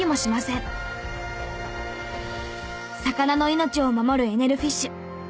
魚の命を守るエネルフィッシュ。